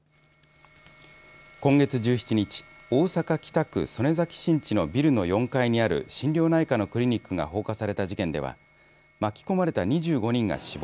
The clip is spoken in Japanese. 今月１７日大阪、北区曽根崎新地のビルの４階にある心療内科のクリニックが放火された事件では巻き込まれた２５人が死亡。